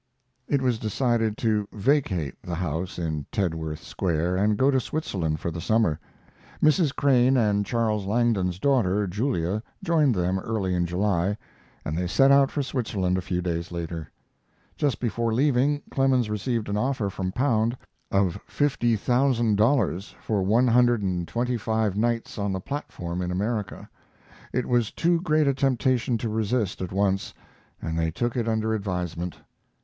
It was decided to vacate the house in Tedworth Square and go to Switzerland for the summer. Mrs. Crane and Charles Langdon's daughter, Julia, joined them early in July, and they set out for Switzerland a few days later. Just before leaving, Clemens received an offer from Pond of fifty thousand dollars for one hundred and twenty five nights on the platform in America. It was too great a temptation to resist at once, and they took it under advisement.